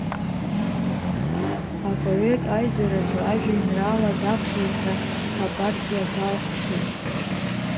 Апоет аизараҿы ажәеинраала даԥхьеит ҳәа апартиа далҳцоит!